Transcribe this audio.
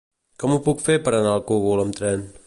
Com ho puc fer per anar al Cogul amb tren?